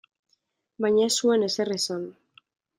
Baina ez zuen ezer esan.